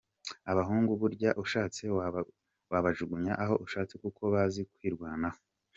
Abahungu burya ushatse wabajugunya aho ushatse kuko bazi kwirwanaho.